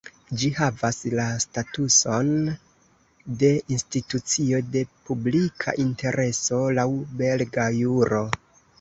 Ĝi havas la statuson de "Institucio de Publika Intereso", laŭ belga juro.